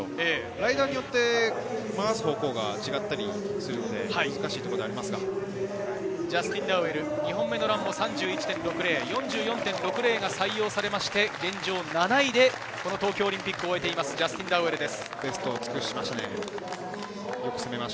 ライダーによって回す方向が違ったりするので、難しいところでは２本目のランも３１．６で現状、７位で東京オリンピックを終えています、ジャスティン・ダウエルです。